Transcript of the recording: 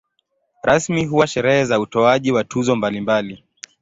Rasmi huwa sherehe za utoaji wa tuzo mbalimbali.